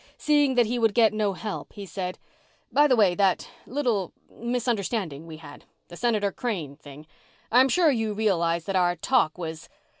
Seeing that he would get no help, he said, "By the way, that little ... misunderstanding we had, the Senator Crane thing, I'm sure you realized that our talk was